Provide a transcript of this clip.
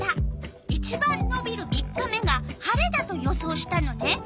いちばんのびる３日目が晴れだと予想したのね。